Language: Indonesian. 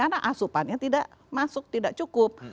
karena asupannya tidak masuk tidak cukup